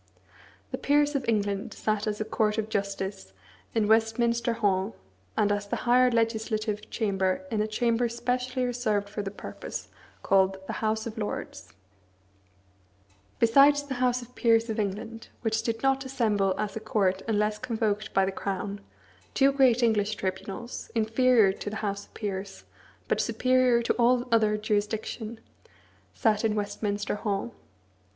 The peers of England sat as a court of justice in Westminster Hall, and as the higher legislative chamber in a chamber specially reserved for the purpose, called The House of Lords. Besides the house of peers of England, which did not assemble as a court unless convoked by the crown, two great English tribunals, inferior to the house of peers, but superior to all other jurisdiction, sat in Westminster Hall.